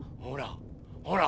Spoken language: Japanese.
ほら！